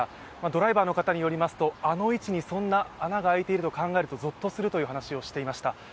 ドライバーの方によりますと、あの位置にそんな穴があいていると考えるとぞっとするという話をしていました。